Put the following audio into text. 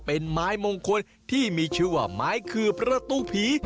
เป็นไม้มงคลที่มีชื่อว่าไม้คือประตูผี